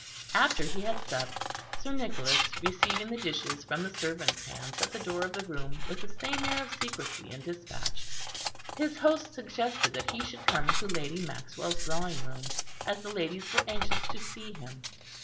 After he had supped, Sir Nicholas receiving the dishes from the servants' hands at the door of the room with the same air of secrecy and despatch, his host suggested that he should come to Lady Maxwell's drawing room, as the ladies were anxious to see him.